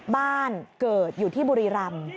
บ้านเกิดอยู่ที่บุรีรำ